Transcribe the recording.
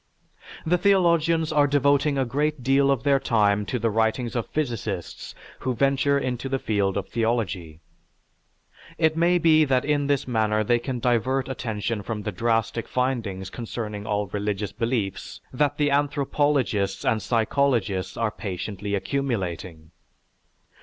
The theologians are devoting a great deal of their time to the writings of physicists who venture into the field of theology. It may be that in this manner they can divert attention from the drastic findings concerning all religious beliefs that the anthropologists and psychologists are patiently accumulating.